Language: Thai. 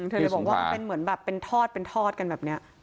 เธอบอกว่าเป็นเหมือนแบบเป็นทอดกันแบบเนี่ย